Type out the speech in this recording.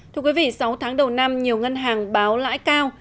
thưa quý vị sáu tháng đầu năm nhiều ngân hàng báo lãi cao